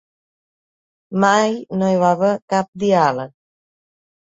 Mai no hi va haver cap diàleg.